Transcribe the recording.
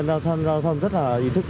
người dân giao thông rất là ý thức